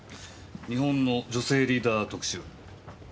「日本の女性リーダー特集」？